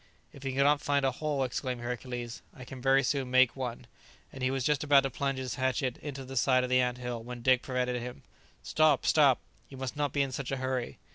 "If you cannot find a hole," exclaimed Hercules, "I can very soon make one;" and he was just about to plunge his hatchet into the side of the ant hill, when Dick prevented him. "Stop, stop! you must not be in such a hurry!"